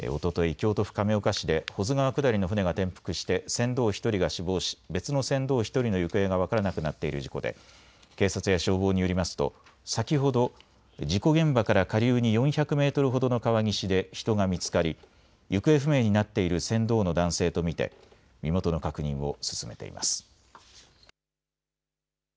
京都府亀岡市で保津川下りの舟が転覆して船頭１人が死亡し別の船頭１人の行方が分からなくなっている事故で警察や消防によりますと先ほど事故現場から下流に４００メートルほどの川岸で人が見つかり行方不明になっている船頭の男性と見て身元の確認を進めています。